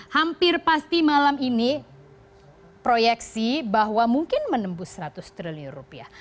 hampir pasti malam ini proyeksi bahwa mungkin menembus seratus triliun rupiah